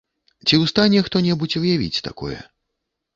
Ці ў стане хто-небудзь уявіць такое?!